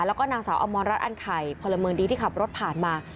แล้วก็นางสาวอมรรัฐอันไข่พลเมืองดีที่ขับรถผ่านมา